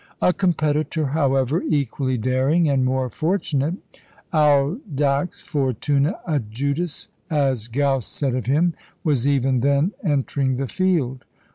A competitor, however, equally daring and more fortunate audax fortunâ adjutus, as Gauss said of him was even then entering the field.